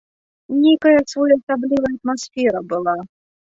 Нейкая своеасаблівая атмасфера была.